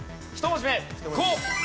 １文字目「こ」。